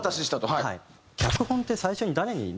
はい。